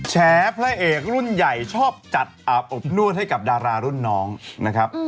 แฉพระเอกรุ่นใหญ่ชอบจัดอาบอบนวดให้กับดารารุ่นน้องนะครับ